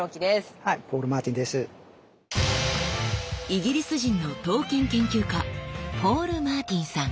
イギリス人の刀剣研究家ポール・マーティンさん。